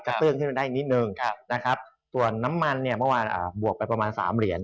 เตื้องขึ้นมาได้นิดนึงนะครับส่วนน้ำมันเนี่ยเมื่อวานบวกไปประมาณ๓เหรียญ